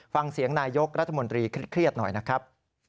ฟังเสียงนายกรัฐมนตรีเครียดหน่อยนะครับ